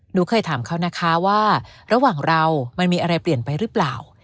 หนูเคยถามเขานะคะว่าระหว่างเรามันมีอะไรเปลี่ยนไปหรือเปล่า